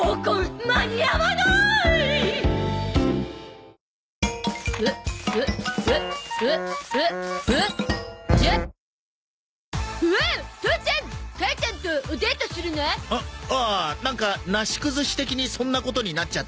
なんかなし崩し的にそんなことになっちゃってな